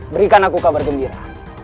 berikan aku kabar gembira